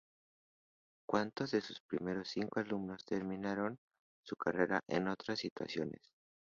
Cuatro de sus primeros cinco alumnos terminarían su carrera en otras instituciones.